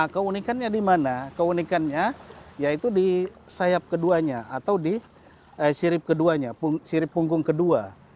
keunikannya di mana keunikannya yaitu di sayap keduanya atau di sirip keduanya sirip punggung kedua